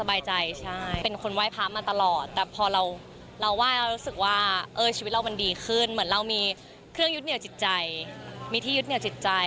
ว่าชีวิตเรามันดีขึ้นเหมือนเรามีเครื่องยึดเหนียวจิตใจมีที่ยึดเหนียวจิตใจ